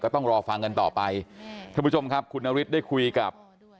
ต้องรอฟังกันต่อไปท่านผู้ชมครับคุณนฤทธิ์ได้คุยกับ